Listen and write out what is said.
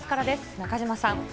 中島さん。